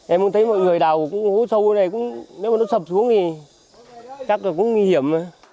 em cũng thấy mọi người đào hố sâu này nếu mà nó sập xuống thì chắc là cũng nguy hiểm